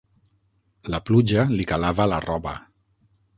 La pluja li calava la roba.